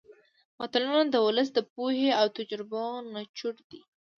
متلونه د ولس د پوهې او تجربو نچوړ دي